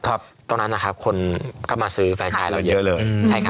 ตอนนั้นนะครับคนก็มาซื้อแฟนชายเราเยอะเลย